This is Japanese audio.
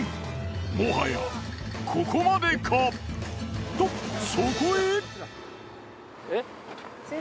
もはやここまでか。とそこへ！